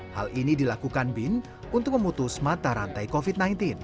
hal ini dilakukan bin untuk memutus mata rantai covid sembilan belas